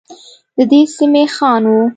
ددې سمي خان وه.